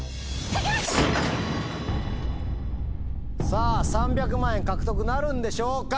さぁ３００万円獲得なるんでしょうか？